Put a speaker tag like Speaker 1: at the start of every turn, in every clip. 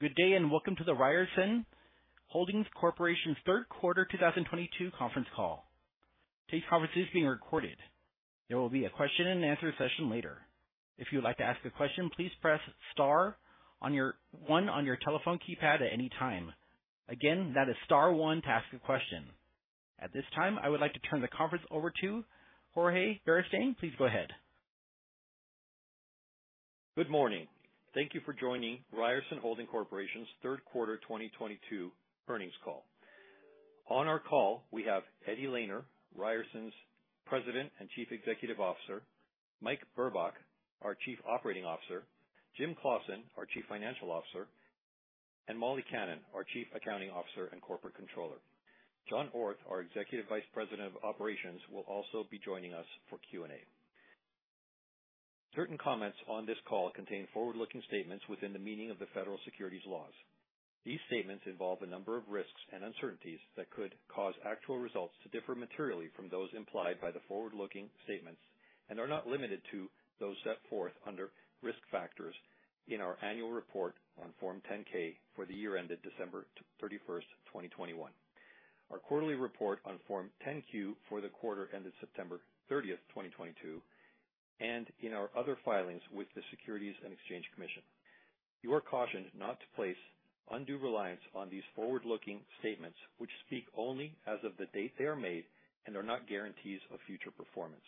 Speaker 1: Good day, and welcome to the Ryerson Holding Corporation's third quarter 2022 conference call. Today's conference is being recorded. There will be a question and answer session later. If you would like to ask a question, please press star one on your telephone keypad at any time. Again, that is star one to ask a question. At this time, I would like to turn the conference over to Jorge Beristain. Please go ahead.
Speaker 2: Good morning. Thank you for joining Ryerson Holding Corporation's third quarter 2022 earnings call. On our call, we have Eddie Lehner, Ryerson's President and Chief Executive Officer, Mike Burbach, our Chief Operating Officer, Jim Claussen, our Chief Financial Officer, and Molly Kannan, our Chief Accounting Officer and Corporate Controller. John Orth, our Executive Vice President of Operations, will also be joining us for Q and A. Certain comments on this call contain forward-looking statements within the meaning of the federal securities laws. These statements involve a number of risks and uncertainties that could cause actual results to differ materially from those implied by the forward-looking statements and are not limited to those set forth under risk factors in our annual report on Form 10-K for the year ended December 31st, 2021. Our quarterly report on Form 10-Q for the quarter ended September 30th, 2022, and in our other filings with the Securities and Exchange Commission. You are cautioned not to place undue reliance on these forward-looking statements, which speak only as of the date they are made and are not guarantees of future performance.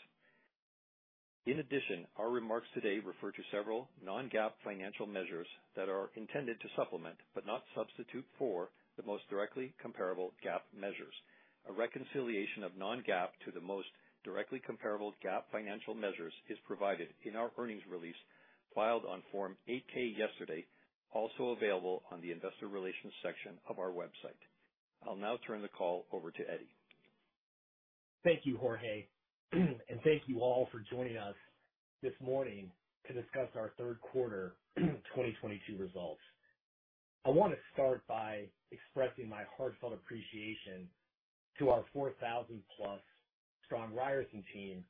Speaker 2: In addition, our remarks today refer to several non-GAAP financial measures that are intended to supplement, but not substitute for, the most directly comparable GAAP measures. A reconciliation of non-GAAP to the most directly comparable GAAP financial measures is provided in our earnings release filed on Form 8-K yesterday, also available on the investor relations section of our website. I'll now turn the call over to Eddie.
Speaker 3: Thank you, Jorge, and thank you all for joining us this morning to discuss our third quarter 2022 results. I want to start by expressing my heartfelt appreciation to our 4,000+ strong Ryerson team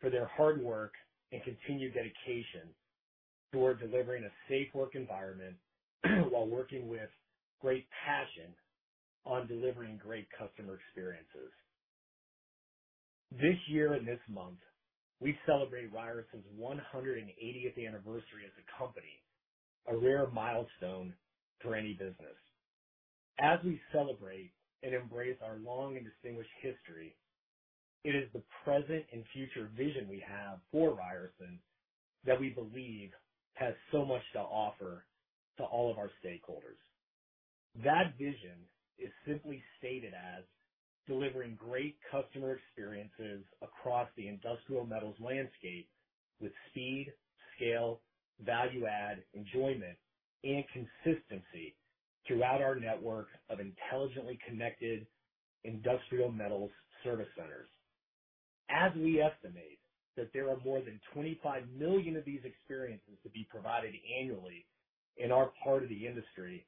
Speaker 3: for their hard work and continued dedication toward delivering a safe work environment while working with great passion on delivering great customer experiences. This year and this month, we celebrate Ryerson's 180th anniversary as a company, a rare milestone for any business. As we celebrate and embrace our long and distinguished history, it is the present and future vision we have for Ryerson that we believe has so much to offer to all of our stakeholders. That vision is simply stated as delivering great customer experiences across the industrial metals landscape with speed, scale, value add, enjoyment, and consistency throughout our network of intelligently connected industrial metals service centers. As we estimate that there are more than 25 million of these experiences to be provided annually in our part of the industry,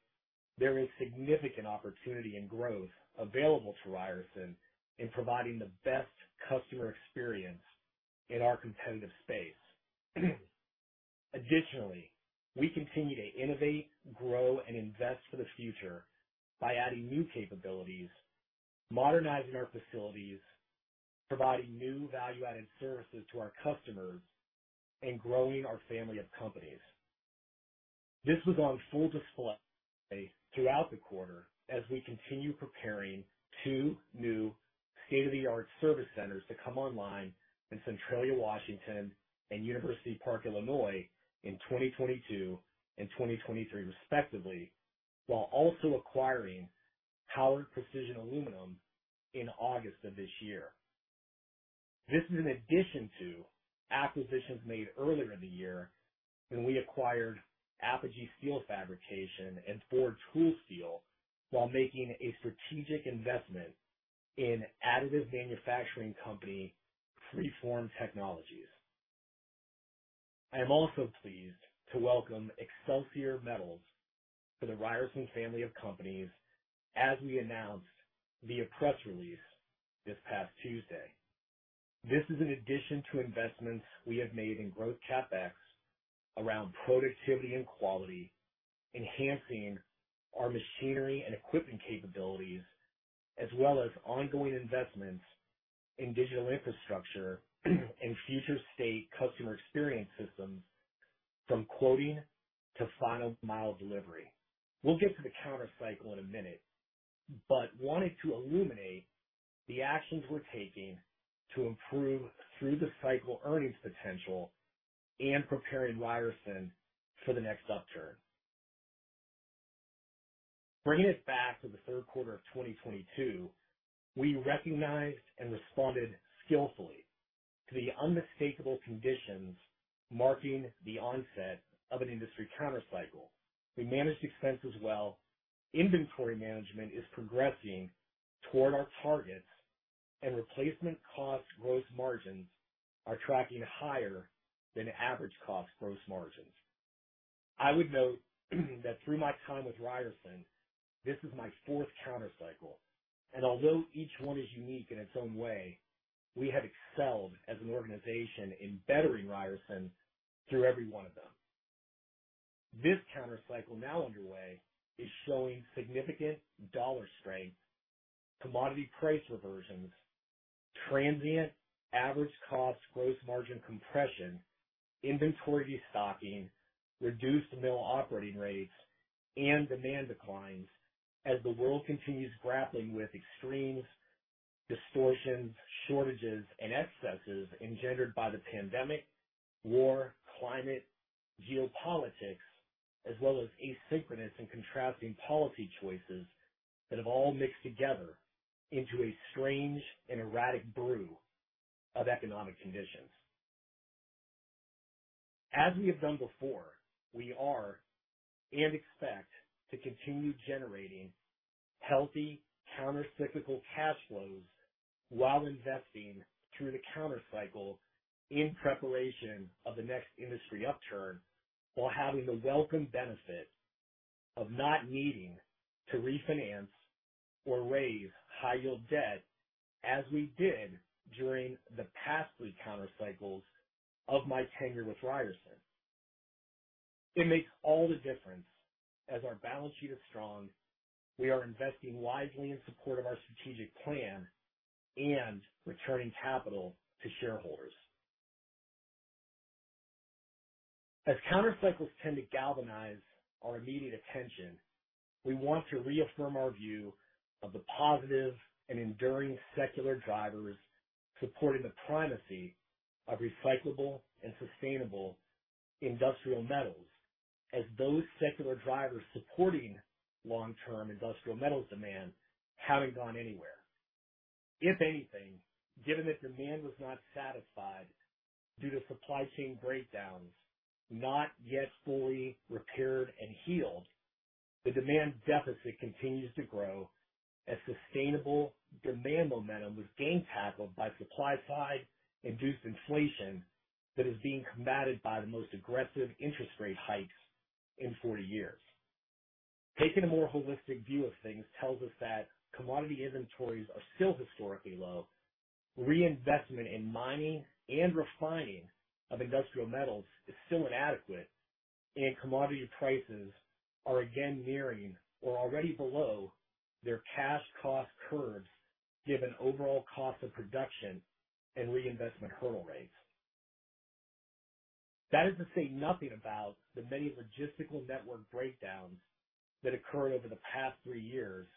Speaker 3: there is significant opportunity and growth available to Ryerson in providing the best customer experience in our competitive space. Additionally, we continue to innovate, grow, and invest for the future by adding new capabilities, modernizing our facilities, providing new value-added services to our customers, and growing our family of companies. This was on full display throughout the quarter as we continue preparing two new state-of-the-art service centers to come online in Centralia, Washington and University Park, Illinois, in 2022 and 2023 respectively, while also acquiring Howard Precision Aluminum in August of this year. This is in addition to acquisitions made earlier in the year when we acquired Apogee Steel Fabrication and Ford Tool Steels while making a strategic investment in additive manufacturing company, FreeFORM Technologies. I am also pleased to welcome Excelsior Metals to the Ryerson family of companies, as we announced via press release this past Tuesday. This is in addition to investments we have made in growth CapEx around productivity and quality, enhancing our machinery and equipment capabilities, as well as ongoing investments in digital infrastructure and future state customer experience systems from quoting to final mile delivery. We'll get to the counter cycle in a minute, but wanted to illuminate the actions we're taking to improve through the cycle earnings potential and preparing Ryerson for the next upturn. Bringing it back to the third quarter of 2022, we recognized and responded skillfully to the unmistakable conditions marking the onset of an industry counter cycle. We managed expenses well. Inventory management is progressing toward our targets, and replacement cost gross margins are tracking higher than average cost gross margins. I would note that through my time with Ryerson, this is my fourth counter cycle, and although each one is unique in its own way. We have excelled as an organization in bettering Ryerson through every one of them. This counter cycle now underway is showing significant dollar strength, commodity price reversions, transient average cost, gross margin compression, inventory destocking, reduced mill operating rates, and demand declines as the world continues grappling with extremes, distortions, shortages, and excesses engendered by the pandemic, war, climate, geopolitics, as well as asynchronous and contrasting policy choices that have all mixed together into a strange and erratic brew of economic conditions. As we have done before, we are and expect to continue generating healthy counter-cyclical cash flows while investing through the counter cycle in preparation of the next industry upturn, while having the welcome benefit of not needing to refinance or raise high yield debt as we did during the past three counter cycles of my tenure with Ryerson. It makes all the difference. As our balance sheet is strong, we are investing wisely in support of our strategic plan and returning capital to shareholders. As counter cycles tend to galvanize our immediate attention, we want to reaffirm our view of the positive and enduring secular drivers supporting the primacy of recyclable and sustainable industrial metals as those secular drivers supporting long-term industrial metals demand haven't gone anywhere. If anything, given that demand was not satisfied due to supply chain breakdowns not yet fully repaired and healed, the demand deficit continues to grow as sustainable demand momentum was again tackled by supply-side induced inflation that is being combated by the most aggressive interest rate hikes in 40 years. Taking a more holistic view of things tells us that commodity inventories are still historically low. Reinvestment in mining and refining of industrial metals is still inadequate, and commodity prices are again nearing or already below their cash cost curves given overall cost of production and reinvestment hurdle rates. That is to say nothing about the many logistical network breakdowns that occurred over the past three years,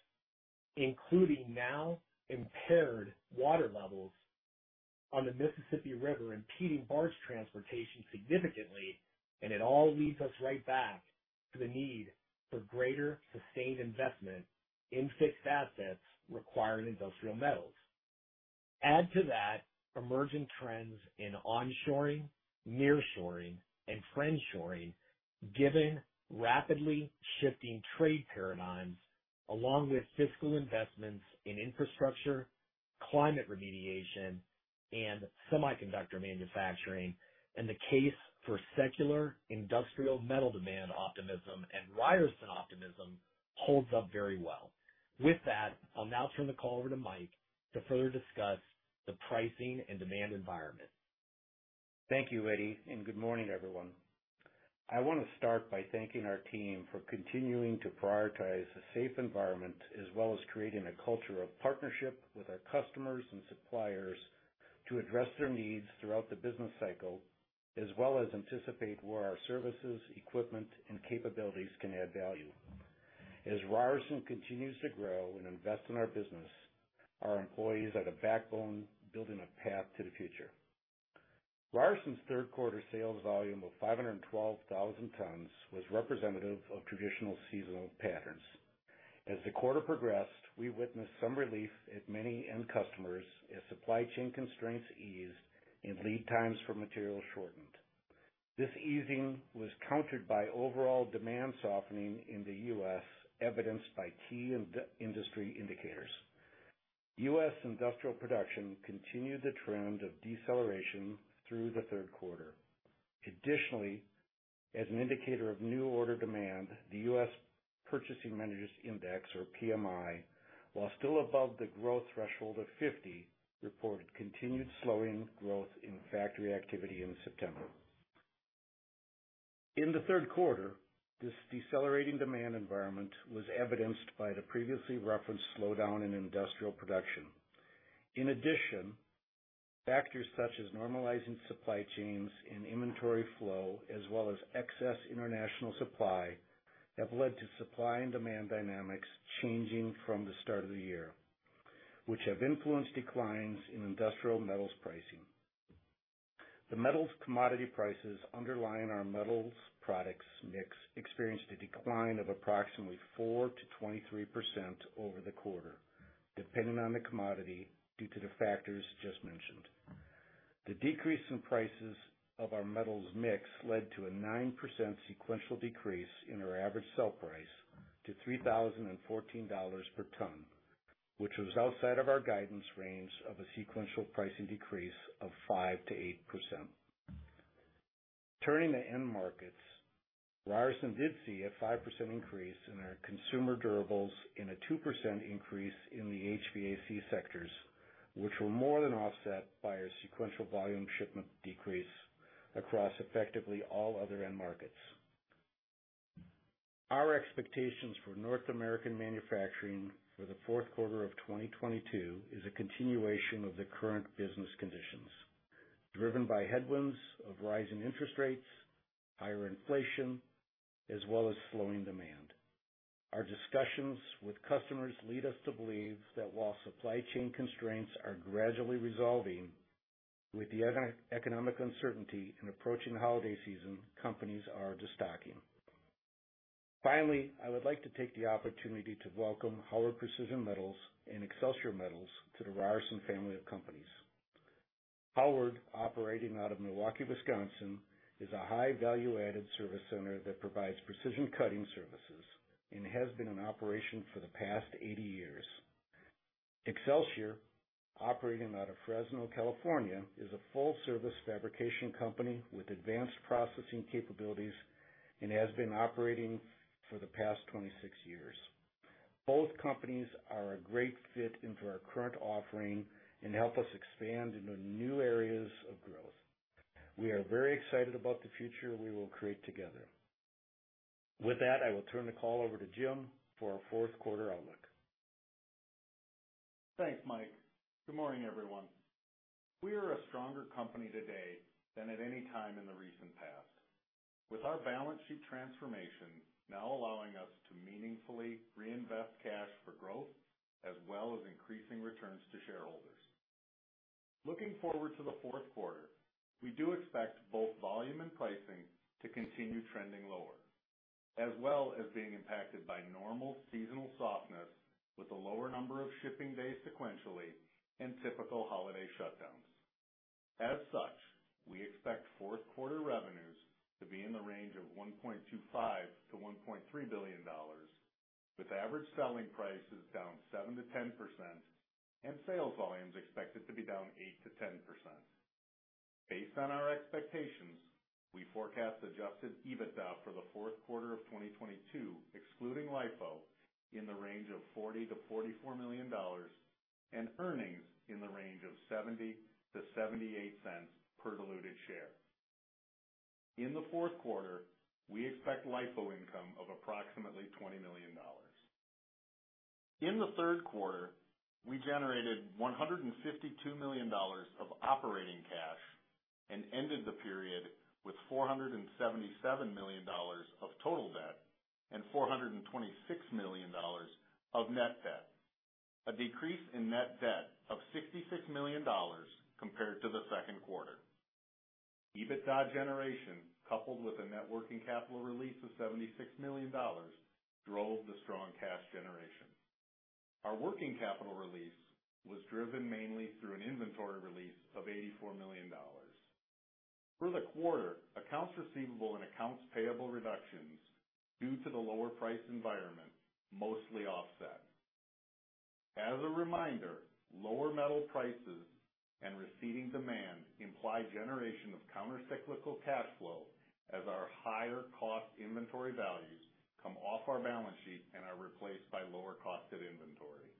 Speaker 3: including now impaired water levels on the Mississippi River, impeding barge transportation significantly. It all leads us right back to the need for greater sustained investment in fixed assets requiring industrial metals. Add to that emerging trends in onshoring, nearshoring, and friendshoring, given rapidly shifting trade paradigms along with fiscal investments in infrastructure, climate remediation, and semiconductor manufacturing, and the case for secular industrial metal demand optimism and Ryerson optimism holds up very well. With that, I'll now turn the call over to Mike to further discuss the pricing and demand environment.
Speaker 4: Thank you, Eddie, and good morning, everyone. I want to start by thanking our team for continuing to prioritize a safe environment, as well as creating a culture of partnership with our customers and suppliers to address their needs throughout the business cycle, as well as anticipate where our services, equipment, and capabilities can add value. As Ryerson continues to grow and invest in our business, our employees are the backbone building a path to the future. Ryerson's third quarter sales volume of 512,000 tons was representative of traditional seasonal patterns. As the quarter progressed, we witnessed some relief at many end customers as supply chain constraints eased and lead times for material shortened. This easing was countered by overall demand softening in the U.S., evidenced by key in-industry indicators. U.S. industrial production continued the trend of deceleration through the third quarter. Additionally, as an indicator of new order demand, the U.S. Purchasing Managers' Index or PMI, while still above the growth threshold of 50, reported continued slowing growth in factory activity in September. In the third quarter, this decelerating demand environment was evidenced by the previously referenced slowdown in industrial production. In addition, factors such as normalizing supply chains and inventory flow, as well as excess international supply, have led to supply and demand dynamics changing from the start of the year, which have influenced declines in industrial metals pricing. The metals commodity prices underlying our metals products mix experienced a decline of approximately 4%-23% over the quarter, depending on the commodity due to the factors just mentioned. The decrease in prices of our metals mix led to a 9% sequential decrease in our average sell price to $3,014 per ton, which was outside of our guidance range of a sequential pricing decrease of 5%-8%. Turning to end markets, Ryerson did see a 5% increase in our consumer durables and a 2% increase in the HVAC sectors, which were more than offset by a sequential volume shipment decrease across effectively all other end markets. Our expectations for North American manufacturing for the fourth quarter of 2022 is a continuation of the current business conditions, driven by headwinds of rising interest rates, higher inflation, as well as slowing demand. Our discussions with customers lead us to believe that while supply chain constraints are gradually resolving, with the macro-economic uncertainty and approaching holiday season, companies are destocking. Finally, I would like to take the opportunity to welcome Howard Precision Metals and Excelsior Metals to the Ryerson family of companies. Howard, operating out of Milwaukee, Wisconsin, is a high value-added service center that provides precision cutting services and has been in operation for the past 80 years. Excelsior, operating out of Fresno, California, is a full-service fabrication company with advanced processing capabilities and has been operating for the past 26 years. Both companies are a great fit into our current offering and help us expand into new areas of growth. We are very excited about the future we will create together. With that, I will turn the call over to Jim for our fourth quarter outlook.
Speaker 5: Thanks, Mike. Good morning, everyone. We are a stronger company today than at any time in the recent past, with our balance sheet transformation now allowing us to meaningfully reinvest cash for growth as well as increasing returns to shareholders. Looking forward to the fourth quarter, we do expect both volume and pricing to continue trending lower, as well as being impacted by normal seasonal softness with a lower number of shipping days sequentially and typical holiday shutdowns. As such, we expect fourth quarter revenues to be in the range of $1.25 billion-$1.3 billion, with average selling prices down 7%-10% and sales volumes expected to be down 8%-10%. Based on our expectations, we forecast adjusted EBITDA for the fourth quarter of 2022, excluding LIFO, in the range of $40 million-$44 million and earnings in the range of $0.70-$0.78 per diluted share. In the fourth quarter, we expect LIFO income of approximately $20 million. In the third quarter, we generated $152 million of operating cash and ended the period with $477 million of total debt and $426 million of net debt, a decrease in net debt of $66 million compared to the second quarter. EBITDA generation, coupled with a net working capital release of $76 million, drove the strong cash generation. Our working capital release was driven mainly through an inventory release of $84 million. For the quarter, accounts receivable and accounts payable reductions due to the lower price environment mostly offset. As a reminder, lower metal prices and receding demand imply generation of countercyclical cash flow as our higher cost inventory values come off our balance sheet and are replaced by lower cost of inventory.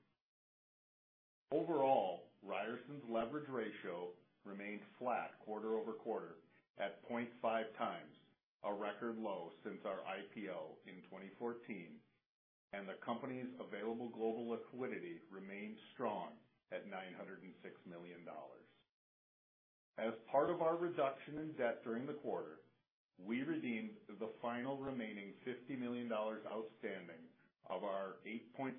Speaker 5: Overall, Ryerson's leverage ratio remained flat quarter-over-quarter at 0.5x, a record low since our IPO in 2014, and the company's available global liquidity remains strong at $906 million. As part of our reduction in debt during the quarter, we redeemed the final remaining $50 million outstanding of our 8.5%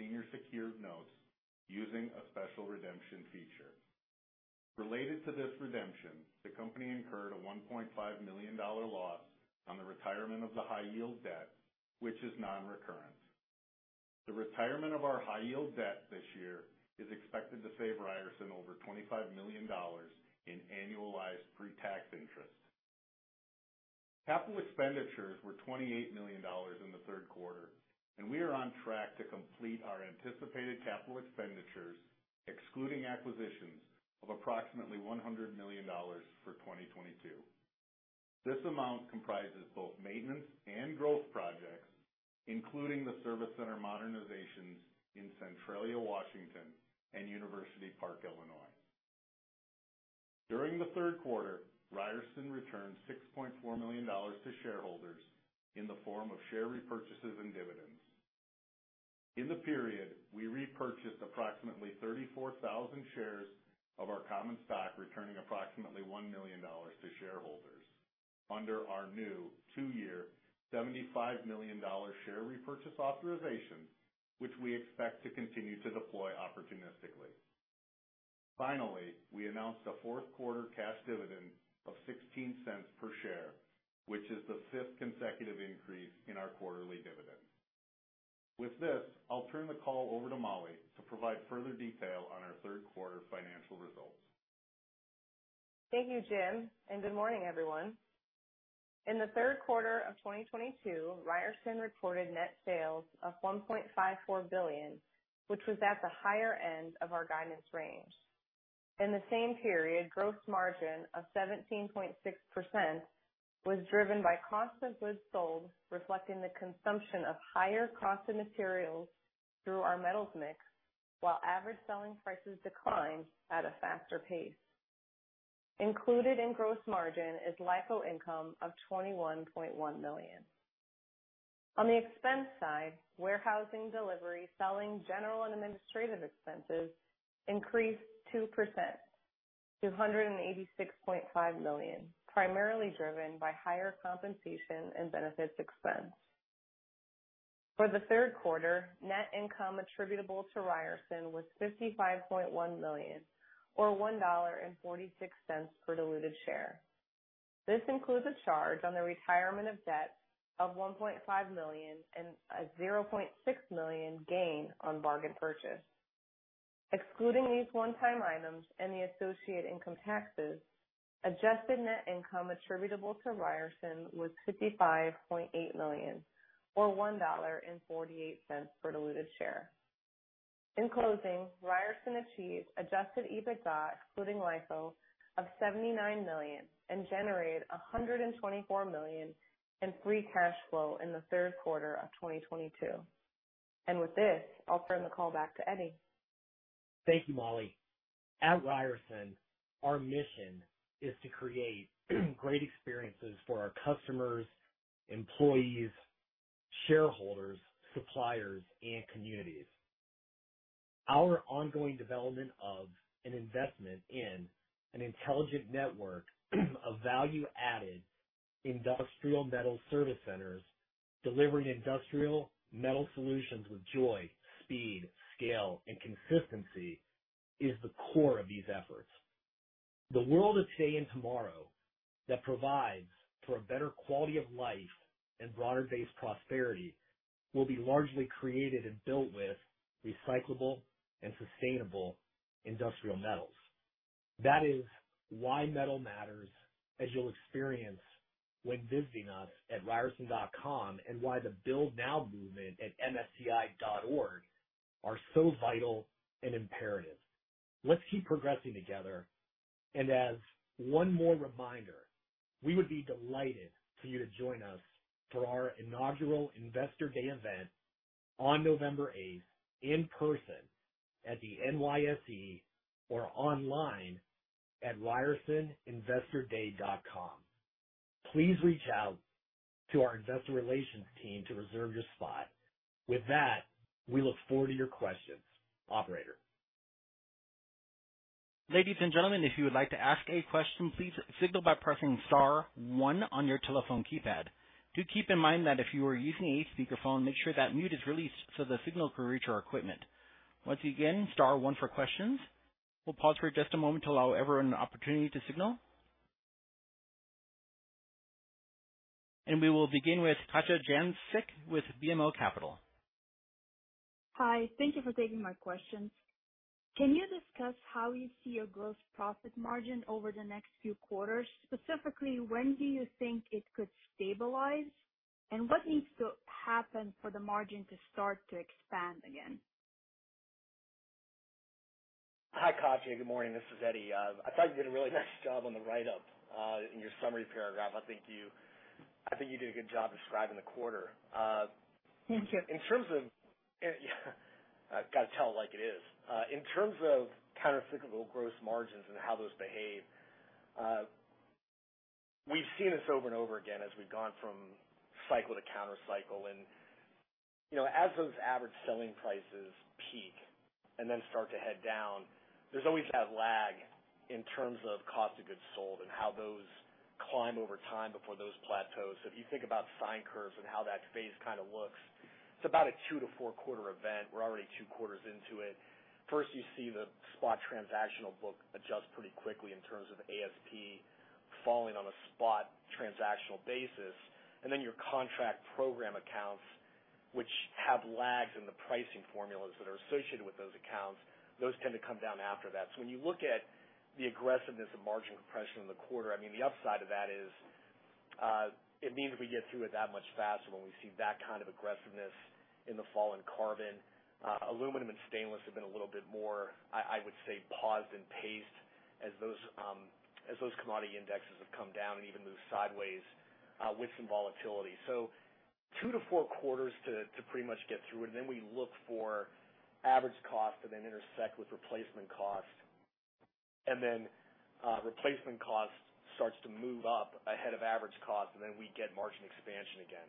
Speaker 5: senior secured notes using a special redemption feature. Related to this redemption, the company incurred a $1.5 million loss on the retirement of the high-yield debt, which is non-recurrent. The retirement of our high-yield debt this year is expected to save Ryerson over $25 million in annualized pre-tax interest. Capital expenditures were $28 million in the third quarter, and we are on track to complete our anticipated capital expenditures, excluding acquisitions, of approximately $100 million for 2022. This amount comprises both maintenance and growth projects, including the service center modernizations in Centralia, Washington, and University Park, Illinois. During the third quarter, Ryerson returned $6.4 million to shareholders in the form of share repurchases and dividends. In the period, we repurchased approximately 34,000 shares of our common stock, returning approximately $1 million to shareholders under our new two-year, $75 million share repurchase authorization, which we expect to continue to deploy opportunistically. Finally, we announced a fourth-quarter cash dividend of $0.16 per share, which is the fifth consecutive increase in our quarterly dividend. With this, I'll turn the call over to Molly to provide further detail on our third quarter financial results.
Speaker 6: Thank you, Jim, and good morning, everyone. In the third quarter of 2022, Ryerson reported net sales of $1.54 billion, which was at the higher end of our guidance range. In the same period, gross margin of 17.6% was driven by cost of goods sold, reflecting the consumption of higher cost of materials through our metals mix, while average selling prices declined at a faster pace. Included in gross margin is LIFO income of $21.1 million. On the expense side, warehousing, delivery, selling, general and administrative expenses increased 2% to $186.5 million, primarily driven by higher compensation and benefits expense. For the third quarter, net income attributable to Ryerson was $55.1 million, or $1.46 per diluted share. This includes a charge on the retirement of debt of $1.5 million and a $0.6 million gain on bargain purchase. Excluding these one-time items and the associated income taxes, adjusted net income attributable to Ryerson was $55.8 million, or $1.48 per diluted share. In closing, Ryerson achieved adjusted EBITDA, excluding LIFO, of $79 million and generated $124 million in free cash flow in the third quarter of 2022. With this, I'll turn the call back to Eddie.
Speaker 3: Thank you, Molly. At Ryerson, our mission is to create great experiences for our customers, employees, shareholders, suppliers, and communities. Our ongoing development of an investment in an intelligent network of value-added industrial metal service centers, delivering industrial metal solutions with joy, speed, scale, and consistency is the core of these efforts. The world of today and tomorrow that provides for a better quality of life and broader-based prosperity will be largely created and built with recyclable and sustainable industrial metals. That is why metal matters, as you'll experience when visiting us at ryerson.com, and why the Build Now movement at msci.org are so vital and imperative. Let's keep progressing together. As one more reminder, we would be delighted for you to join us for our inaugural Investor Day event on November 8th in person at the NYSE or online at ryersoninvestorday.com. Please reach out to our investor relations team to reserve your spot. With that, we look forward to your questions. Operator.
Speaker 1: Ladies and gentlemen, if you would like to ask a question, please signal by pressing star one on your telephone keypad. Do keep in mind that if you are using a speakerphone, make sure that mute is released so the signal can reach our equipment. Once again, star one for questions. We'll pause for just a moment to allow everyone an opportunity to signal. We will begin with Katja Jancic with BMO Capital.
Speaker 7: Hi. Thank you for taking my questions. Can you discuss how you see your gross profit margin over the next few quarters? Specifically, when do you think it could stabilize? What needs to happen for the margin to start to expand again?
Speaker 3: Hi, Katja. Good morning. This is Eddie. I thought you did a really nice job on the write-up in your summary paragraph. I think you did a good job describing the quarter.
Speaker 7: Thank you.
Speaker 3: I gotta tell it like it is. In terms of countercyclical gross margins and how those behave, we've seen this over and over again as we've gone from cycle to counter-cycle. You know, as those average selling prices peak and then start to head down, there's always that lag in terms of cost of goods sold and how those climb over time before those plateaus. If you think about sine curves and how that phase kinda looks, it's about a two to four quarter event. We're already two quarters into it. First, you see the spot transactional book adjust pretty quickly in terms of ASP falling on a spot transactional basis. Then your contract program accounts, which have lags in the pricing formulas that are associated with those accounts, those tend to come down after that. When you look at the aggressiveness of margin compression in the quarter, I mean, the upside to that is it means we get through it that much faster when we see that kind of aggressiveness in the fall in carbon. Aluminum and stainless have been a little bit more, I would say, paused and paced as those commodity indexes have come down and even moved sideways with some volatility. Two-four quarters to pretty much get through it, and then we look for average cost to then intersect with replacement cost. Replacement cost starts to move up ahead of average cost, and then we get margin expansion again.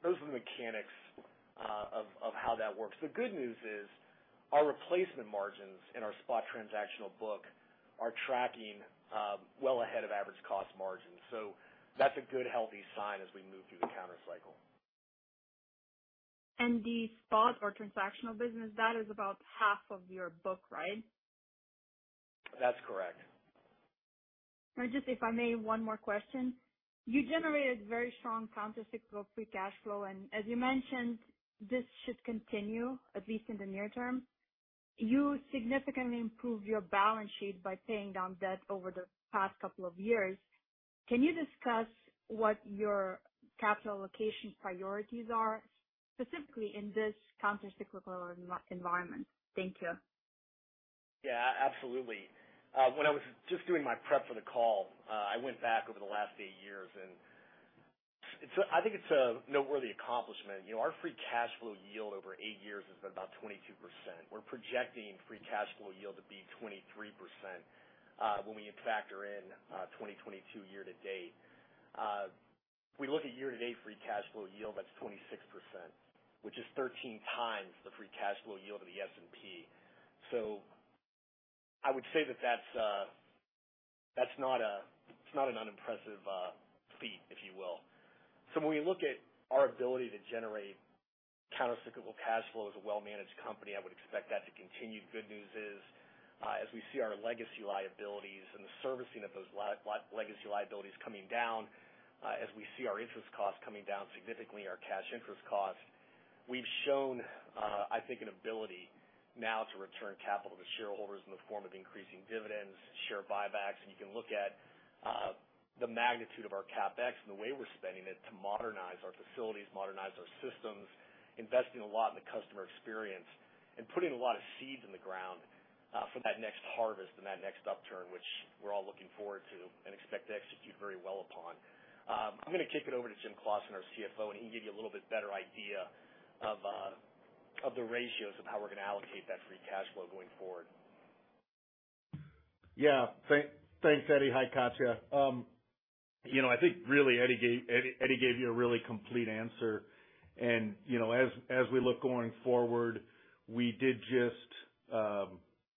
Speaker 3: Those are the mechanics of how that works. The good news is our replacement margins in our spot transactional book are tracking well ahead of average cost margin. That's a good, healthy sign as we move through the counter-cycle.
Speaker 7: The spot or transactional business, that is about half of your book, right?
Speaker 3: That's correct.
Speaker 7: Just if I may, one more question. Strong counter-cyclical free cash flow. As you mentioned, this should continue at least in the near term. You significantly improved your balance sheet by paying down debt over the past couple of years. Can you discuss what your capital allocation priorities are specifically in this counter-cyclical environment? Thank you.
Speaker 3: Yeah, absolutely. When I was just doing my prep for the call, I went back over the last eight years, and it's a noteworthy accomplishment. You know, our free cash flow yield over eight years has been about 22%. We're projecting free cash flow yield to be 23%, when we factor in 2022 year to date. If we look at year-to-date free cash flow yield, that's 26%, which is 13x the free cash flow yield of the S&P. I would say that's not an unimpressive feat, if you will. When we look at our ability to generate countercyclical cash flow as a well-managed company, I would expect that to continue. Good news is, as we see our legacy liabilities and the servicing of those legacy liabilities coming down, as we see our interest costs coming down significantly, our cash interest costs, we've shown, I think an ability now to return capital to shareholders in the form of increasing dividends, share buybacks. You can look at the magnitude of our CapEx and the way we're spending it to modernize our facilities, modernize our systems, investing a lot in the customer experience, and putting a lot of seeds in the ground, for that next harvest and that next upturn, which we're all looking forward to and expect to execute very well upon. I'm gonna kick it over to Jim Claussen, our CFO, and he'll give you a little bit better idea of the ratios of how we're gonna allocate that free cash flow going forward.
Speaker 5: Yeah. Thanks, Eddie. Hi, Katja. You know, I think really Eddie gave you a really complete answer. You know, as we look going forward, we did just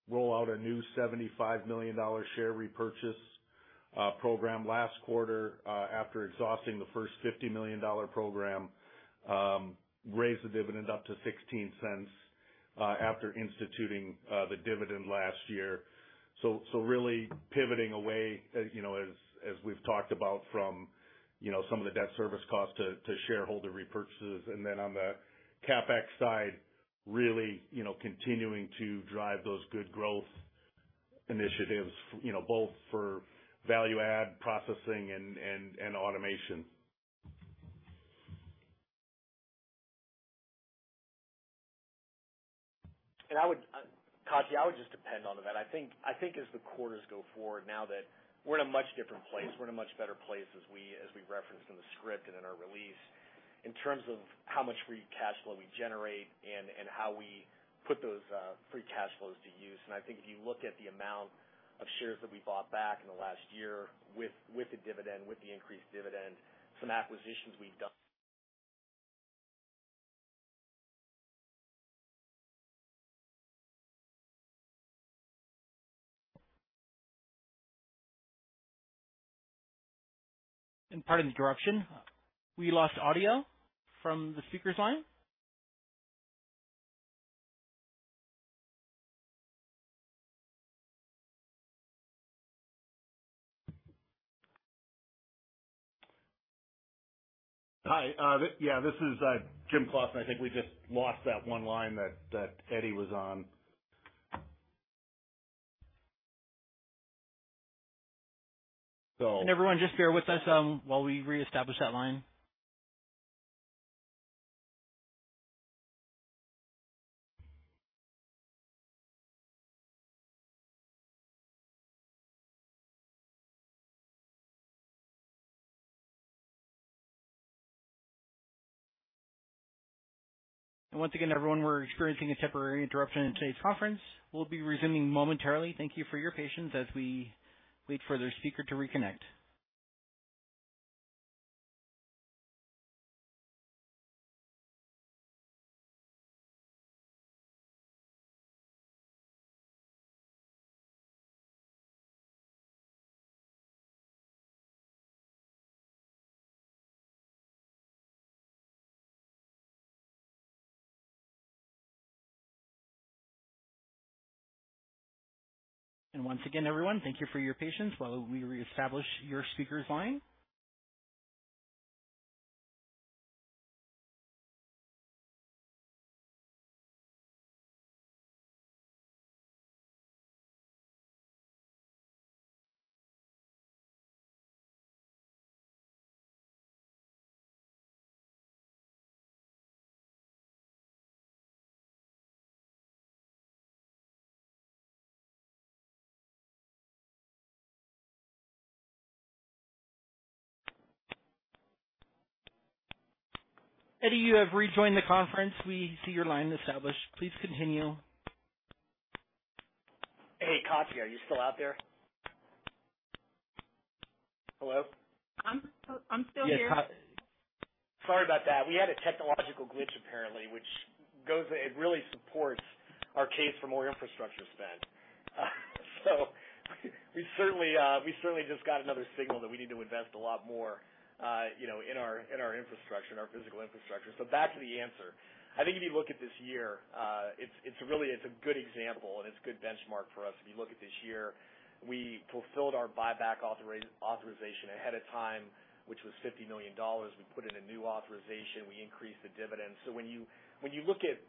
Speaker 5: roll out a new $75 million share repurchase program last quarter after exhausting the first $50 million program, raised the dividend up to $0.16 after instituting the dividend last year. Really pivoting away, you know, as we've talked about from some of the debt service costs to shareholder repurchases. Then on the CapEx side, really, you know, continuing to drive those good growth initiatives, you know, both for value add processing and automation.
Speaker 3: Katja, I would just depend on them. I think as the quarters go forward now that we're in a much different place, we're in a much better place as we referenced in the script and in our release, in terms of how much free cash flow we generate and how we put those free cash flows to use. I think if you look at the amount of shares that we bought back in the last year with the dividend, with the increased dividend, some acquisitions we've done.
Speaker 1: Pardon the interruption. We lost audio from the speaker's line.
Speaker 5: Hi. Yeah, this is Jim Claussen. I think we just lost that one line that Eddie was on.
Speaker 1: Everyone just bear with us while we reestablish that line. Once again, everyone, we're experiencing a temporary interruption in today's conference. We'll be resuming momentarily. Thank you for your patience as we wait for the speaker to reconnect. Once again, everyone, thank you for your patience while we reestablish your speaker's line. Eddie, you have rejoined the conference. We see your line established. Please continue.
Speaker 3: Hey, Katja, are you still out there? Hello?
Speaker 7: I'm still here.
Speaker 3: Yeah. Sorry about that. We had a technological glitch apparently, which it really supports our case for more infrastructure spend. We certainly just got another signal that we need to invest a lot more, you know, in our infrastructure and our physical infrastructure. Back to the answer. I think if you look at this year, it's really a good example and it's a good benchmark for us. If you look at this year, we fulfilled our buyback authorization ahead of time, which was $50 million. We put in a new authorization, we increased the dividend. When you look at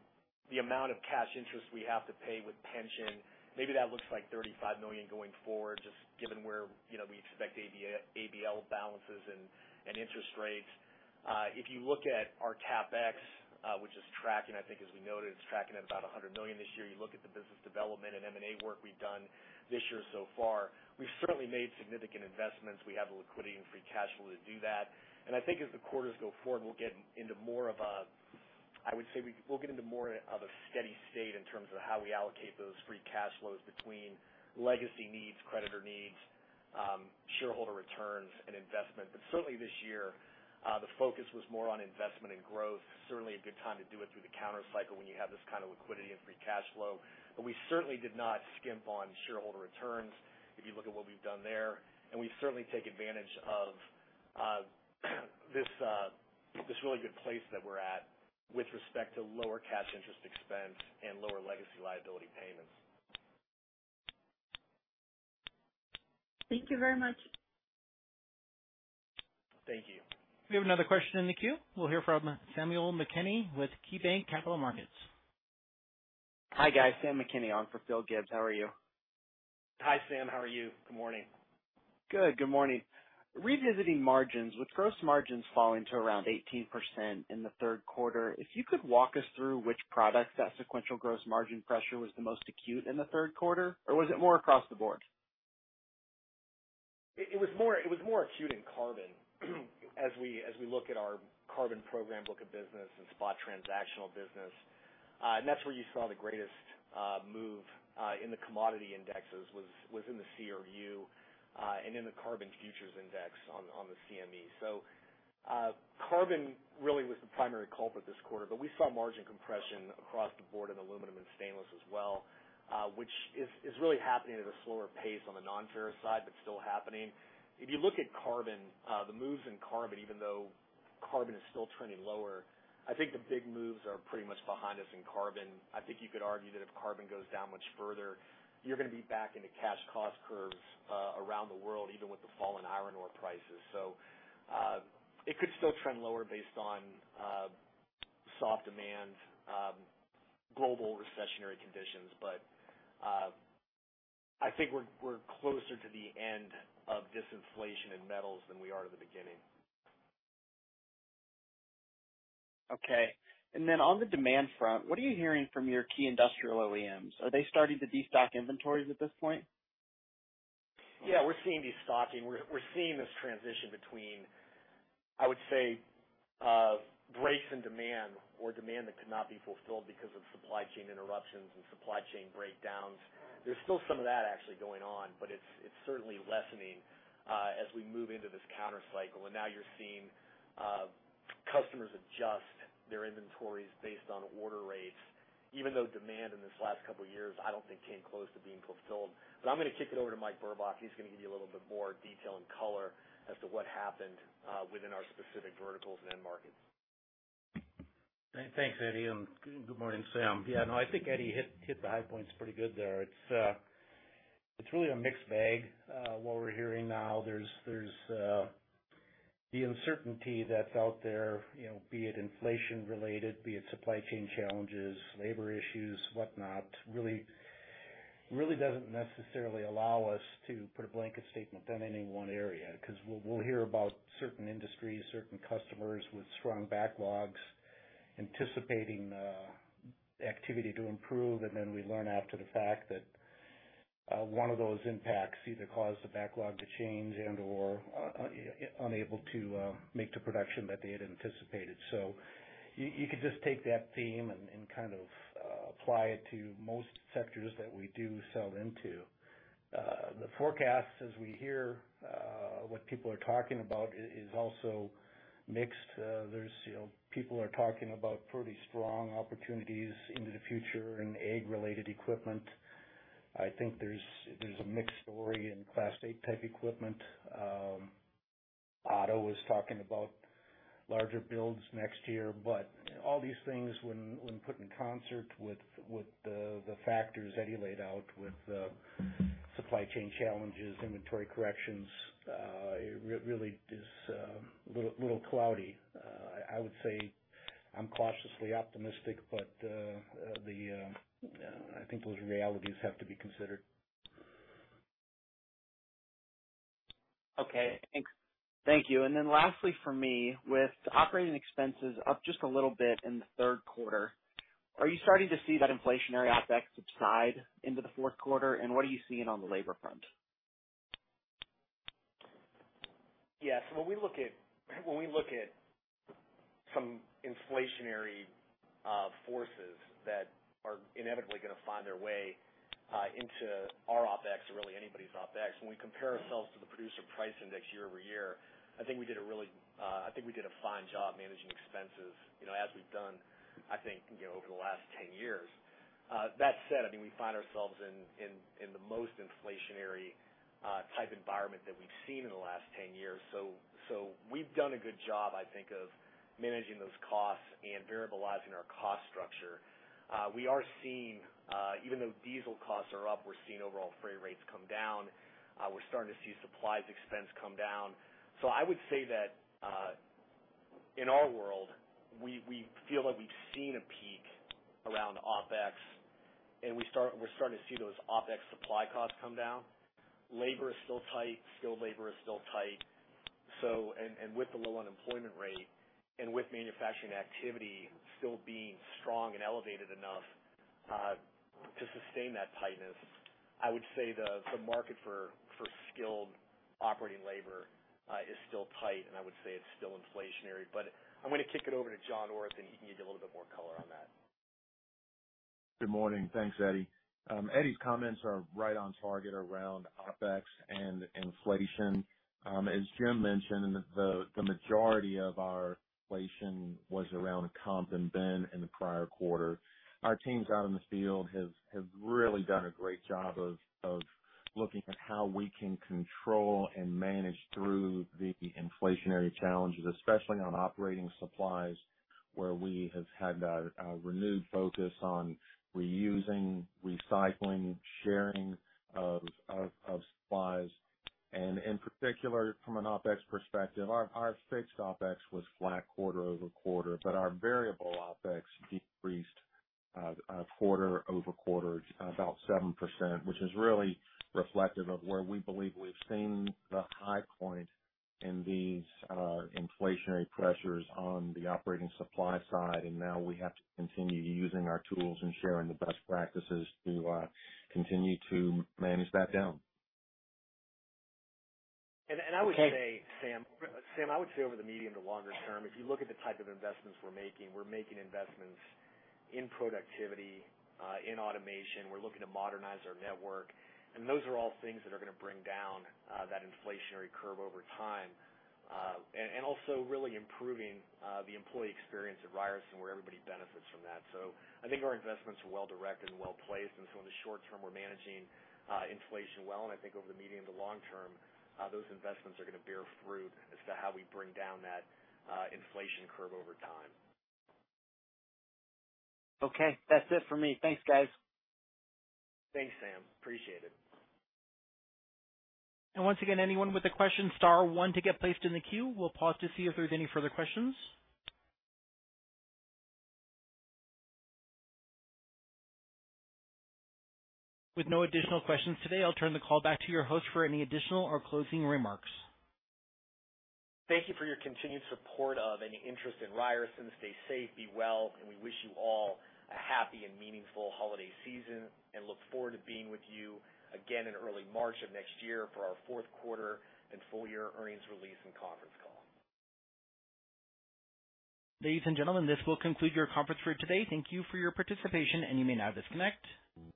Speaker 3: the amount of cash interest we have to pay with pension, maybe that looks like $35 million going forward, just given where, you know, we expect ABL balances and interest rates. If you look at our CapEx, which is tracking, I think as we noted, it's tracking at about $100 million this year. You look at the business development and M&A work we've done this year so far. We've certainly made significant investments. We have the liquidity and free cash flow to do that. I think as the quarters go forward, I would say we'll get into more of a steady state in terms of how we allocate those free cash flows between legacy needs, creditor needs, shareholder returns and investment. Certainly this year, the focus was more on investment and growth. Certainly a good time to do it countercyclically when you have this kind of liquidity and free cash flow. We certainly did not skimp on shareholder returns, if you look at what we've done there. We certainly take advantage of this really good place that we're at with respect to lower cash interest expense and lower legacy liability payments.
Speaker 7: Thank you very much.
Speaker 3: Thank you.
Speaker 1: We have another question in the queue. We'll hear from Samuel McKinney with KeyBanc Capital Markets.
Speaker 8: Hi, guys. Samuel McKinney on for Phil Gibbs. How are you?
Speaker 3: Hi, Sam. How are you? Good morning.
Speaker 8: Good. Good morning. Revisiting margins, with gross margins falling to around 18% in the third quarter, if you could walk us through which products that sequential gross margin pressure was the most acute in the third quarter? Or was it more across the board?
Speaker 3: It was more acute in carbon. As we look at our carbon program book of business and spot transactional business, and that's where you saw the greatest move in the commodity indexes was in the CRU, and in the carbon futures index on the CME. Carbon really was the primary culprit this quarter, but we saw margin compression across the board in aluminum and stainless as well, which is really happening at a slower pace on the non-ferrous side, but still happening. If you look at carbon, the moves in carbon, even though carbon is still trending lower, I think the big moves are pretty much behind us in carbon. I think you could argue that if carbon goes down much further, you're gonna be back into cash cost curves around the world, even with the fall in iron ore prices. It could still trend lower based on soft demand, global recessionary conditions, but I think we're closer to the end of this inflation in metals than we are to the beginning.
Speaker 8: Okay. On the demand front, what are you hearing from your key industrial OEMs? Are they starting to destock inventories at this point?
Speaker 3: Yeah, we're seeing destocking. We're seeing this transition between, I would say, breaks in demand or demand that cannot be fulfilled because of supply chain interruptions and supply chain breakdowns. There's still some of that actually going on, but it's certainly lessening as we move into this counter cycle. Now you're seeing customers adjust their inventories based on order rates, even though demand in this last couple of years, I don't think came close to being fulfilled. I'm gonna kick it over to Mike Burbach. He's gonna give you a little bit more detail and color as to what happened within our specific verticals and end markets.
Speaker 4: Thanks, Eddie, and good morning, Sam. Yeah, no, I think Eddie hit the high points pretty good there. It's really a mixed bag what we're hearing now. There's the uncertainty that's out there, you know, be it inflation related, be it supply chain challenges, labor issues, whatnot, really doesn't necessarily allow us to put a blanket statement on any one area, 'cause we'll hear about certain industries, certain customers with strong backlogs anticipating activity to improve. We learn after the fact that one of those impacts either caused the backlog to change and or unable to make the production that they had anticipated. You could just take that theme and kind of apply it to most sectors that we do sell into. The forecasts as we hear what people are talking about is also mixed. There's, you know, people are talking about pretty strong opportunities into the future in ag related equipment. I think there's a mixed story in Class A type equipment. Auto was talking about larger builds next year, but all these things when put in concert with the factors Eddie laid out with supply chain challenges, inventory corrections, it really is a little cloudy. I would say I'm cautiously optimistic, but I think those realities have to be considered.
Speaker 8: Okay. Thanks. Thank you. Then lastly for me, with operating expenses up just a little bit in the third quarter, are you starting to see that inflationary OpEx subside into the fourth quarter? And what are you seeing on the labor front?
Speaker 3: Yes. When we look at some inflationary forces that are inevitably gonna find their way into our OpEx or really anybody's OpEx, when we compare ourselves to the Producer Price Index year-over-year, I think we did a fine job managing expenses, you know, as we've done, I think, you know, over the last 10 years. That said, I mean, we find ourselves in the most inflationary type environment that we've seen in the last 10 years. We've done a good job, I think, of managing those costs and variablizing our cost structure. We are seeing, even though diesel costs are up, we're seeing overall freight rates come down. We're starting to see supplies expense come down. I would say that, in our world, we feel that we've seen a peak around OpEx, and we're starting to see those OpEx supply costs come down. Labor is still tight, skilled labor is still tight. With the low unemployment rate and with manufacturing activity still being strong and elevated enough to sustain that tightness, I would say the market for skilled operating labor is still tight, and I would say it's still inflationary. I'm gonna kick it over to John Orth, and he can give a little bit more color on that.
Speaker 9: Good morning. Thanks, Eddie. Eddie's comments are right on target around OpEx and inflation. As Jim mentioned, the majority of our inflation was around comp and then in the prior quarter. Our teams out in the field have really done a great job of looking at how we can control and manage through the inflationary challenges, especially on operating supplies, where we have had a renewed focus on reusing, recycling, sharing of supplies. In particular, from an OpEx perspective, our fixed OpEx was flat quarter-over-quarter, but our variable OpEx decreased quarter-over-quarter about 7%, which is really reflective of where we believe we've seen the high point in these inflationary pressures on the operating supply side. Now we have to continue using our tools and sharing the best practices to continue to manage that down.
Speaker 3: I would say, Sam, over the medium to longer term, if you look at the type of investments we're making, we're making investments in productivity, in automation. We're looking to modernize our network, and those are all things that are gonna bring down that inflationary curve over time. Also really improving the employee experience at Ryerson, where everybody benefits from that. I think our investments are well-directed and well-placed. In the short term, we're managing inflation well, and I think over the medium to long term, those investments are gonna bear fruit as to how we bring down that inflation curve over time.
Speaker 8: Okay. That's it for me. Thanks, guys.
Speaker 3: Thanks, Sam. Appreciate it.
Speaker 1: Once again, anyone with a question, star one to get placed in the queue. We'll pause to see if there's any further questions. With no additional questions today, I'll turn the call back to your host for any additional or closing remarks.
Speaker 3: Thank you for your continued support or any interest in Ryerson. Stay safe, be well, and we wish you all a happy and meaningful holiday season, and look forward to being with you again in early March of next year for our fourth quarter and full year earnings release and conference call.
Speaker 1: Ladies and gentlemen, this will conclude your conference for today. Thank you for your participation, and you may now disconnect.